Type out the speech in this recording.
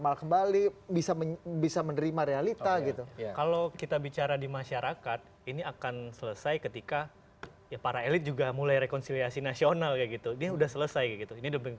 lebih bagus jauh lebih banyak dibanding